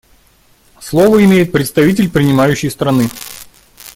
Слово имеет представитель принимающей страны.